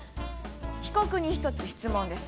被告に１つ質問です。